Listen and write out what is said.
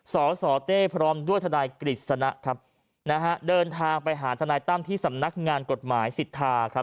สสเต้พร้อมด้วยทนายกฤษณะครับนะฮะเดินทางไปหาทนายตั้มที่สำนักงานกฎหมายสิทธาครับ